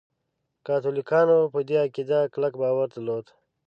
کاتولیکانو په دې عقیده کلک باور درلود.